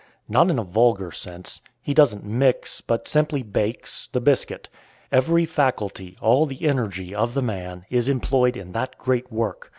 Not in a vulgar sense. He doesn't mix, but simply bakes, the biscuit. Every faculty, all the energy, of the man is employed in that great work.